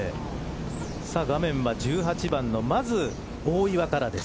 さあ画面は１８番のまず大岩からです。